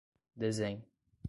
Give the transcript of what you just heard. desenho